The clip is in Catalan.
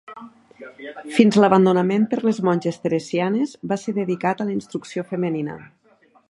Fins a l'abandonament per les monges Teresianes, va ser dedicat a la instrucció femenina.